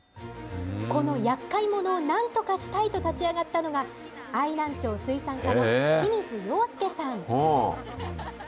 このやっかい者をなんとかしたいと立ち上がったのが、愛南町水産課の清水陽介さん。